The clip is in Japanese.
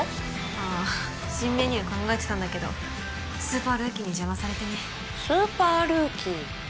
ああ新メニュー考えてたんだけどスーパールーキーに邪魔されてねスーパールーキー？